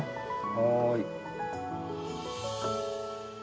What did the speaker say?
はい。